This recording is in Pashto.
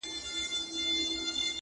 ډکي هدیرې به سي تشي بنګلې به سي!